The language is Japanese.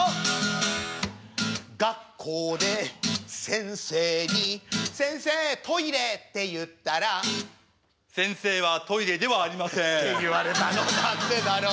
学校で先生に「先生トイレ！」って言ったら「先生はトイレではありません！」。って言われたのなんでだろう